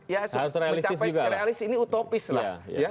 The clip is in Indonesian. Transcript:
ya mencapai realis ini utopis lah